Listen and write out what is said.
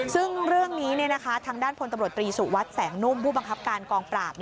ซึ่งเรื่องนี้ทางด้านพลตำรวจตรีสุวัสดิแสงนุ่มผู้บังคับการกองปราบ